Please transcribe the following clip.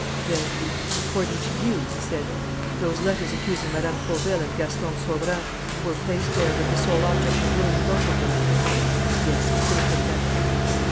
"Then, according to you," he said, "those letters accusing Madame Fauville and Gaston Sauverand were placed there with the sole object of ruining both of them?" "Yes, Monsieur le Préfet."